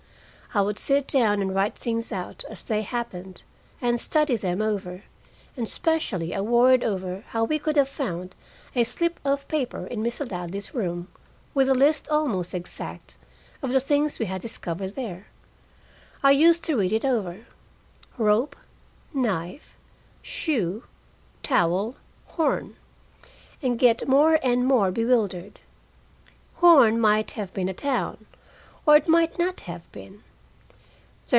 I would sit down and write things out as they had happened, and study them over, and especially I worried over how we could have found a slip of paper in Mr. Ladley's room with a list, almost exact, of the things we had discovered there. I used to read it over, "rope, knife, shoe, towel, Horn " and get more and more bewildered. "Horn" might have been a town, or it might not have been.